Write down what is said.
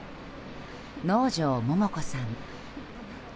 能條桃子さん。